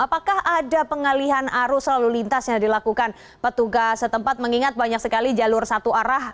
apakah ada pengalihan arus lalu lintas yang dilakukan petugas setempat mengingat banyak sekali jalur satu arah